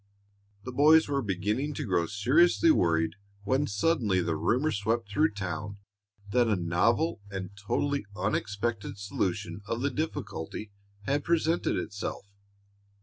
The boys were beginning to grow seriously worried when suddenly the rumor swept through town that a novel and totally unexpected solution of the difficulty had presented itself.